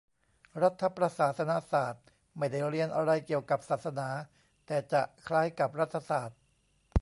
รัฐประศาสนศาสตร์ ไม่ได้เรียนอะไรเกี่ยวกับศาสนา แต่จะคล้ายกับรัฐศาสตร์